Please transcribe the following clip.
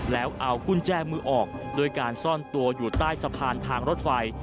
แล้วเอากุญแจมือออกด้วยการซ่อนตัวอยู่ใต้สะพานทางรถไฟ